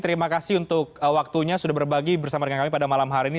terima kasih untuk waktunya sudah berbagi bersama dengan kami pada malam hari ini